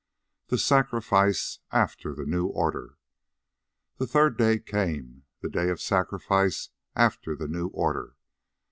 THE SACRIFICE AFTER THE NEW ORDER The third day came, the day of sacrifice after the new order.